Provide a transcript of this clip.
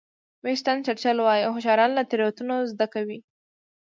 وینسټن چرچل وایي هوښیاران له تېروتنو زده کوي.